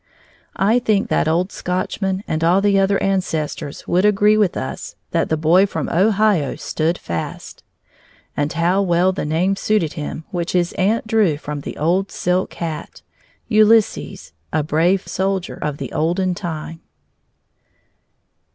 I think that old Scotchman and all the other ancestors would agree with us that the boy from Ohio stood fast. And how well the name suited him which his aunt drew from the old silk hat Ulysses a brave soldier of the olden time!